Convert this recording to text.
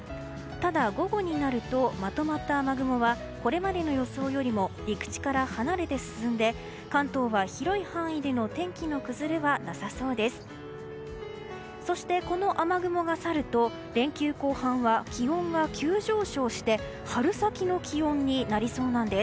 ただ、午後になるとまとまった雨雲はこれまでの予想よりも陸地から離れて進んで関東は広い範囲での天気の崩れはなさそうです。